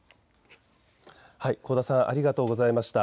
香田さん、ありがとうございました。